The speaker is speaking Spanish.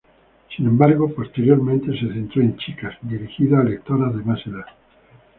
Sin embargo, posteriormente se centró en "Chicas", dirigida a lectoras de más edad.